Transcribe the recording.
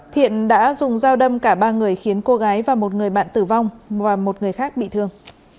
thiện đã dùng dao đâm cả ba người khiến cô gái và một người bạn tử vong và một người khác bị thương